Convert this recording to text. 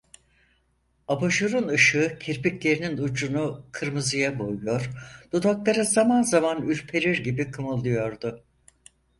Abajurun ışığı kirpiklerinin ucunu kırmızıya boyuyor, dudakları zaman zaman ürperir gibi kımıldıyordu.